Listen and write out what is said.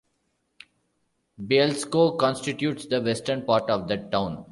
Bielsko constitutes the western part of that town.